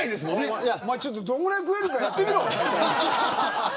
お前、ちょっとどんぐらい食えるかやってみろみたいな。